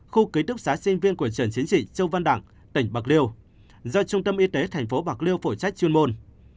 khu ký tức xá sinh viên của trường chiến trị châu văn đặng tỉnh bạc liêu do trung tâm y tế thành phố bạc liêu phổ trách chuyên môn